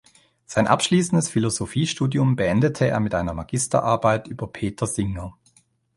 Sein abschließendes Philosophiestudium beendete er mit einer Magisterarbeit über Peter Singer.